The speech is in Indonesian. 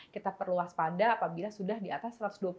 kita perluas pada apabila sudah di atas satu ratus dua puluh enam